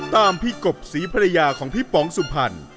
ตามพี่กบศรีภรรยาของพี่ป๋องสุพรรณ